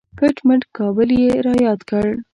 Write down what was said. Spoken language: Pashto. کټ مټ کابل یې را یاد کړ.